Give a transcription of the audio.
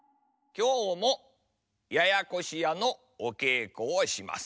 きょうも「ややこしや」のおけいこをします。